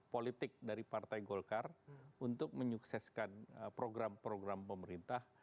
politik dari partai golkar untuk menyukseskan program program pemerintah